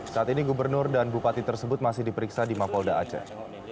saat ini gubernur dan bupati tersebut masih diperiksa di mapolda aceh